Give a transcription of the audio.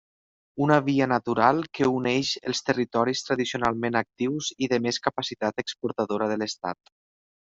Una via natural que uneix els territoris tradicionalment actius i de més capacitat exportadora de l'Estat.